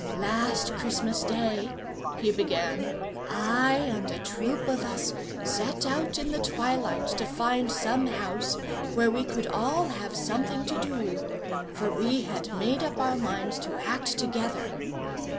"Last Christmas day," he began, "I and a troop of us set out in the twilight to find some house where we could all have something to do; for we had made up our minds to act together.